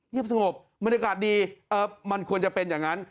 สงบบรรยากาศดีมันควรจะเป็นอย่างนั้น